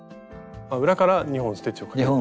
裏から２本ステッチをかけるんですね。